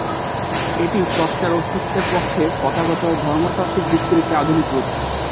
এটি স্রষ্টার অস্তিত্বের পক্ষে প্রথাগত ধর্মতাত্ত্বিক যুক্তির একটি আধুনিক রূপ।